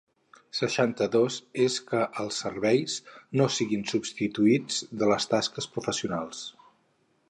Seixanta-dos és que els serveis no siguin substitutius de les tasques professionals.